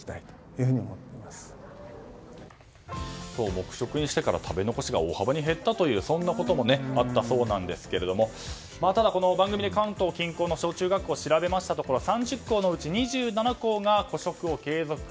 黙食にしてから食べ残しが大幅に減ったとそんなこともあったそうですがただ、番組で関東近郊の小中学校を調べたところ３０校のうち２７校が個食を継続。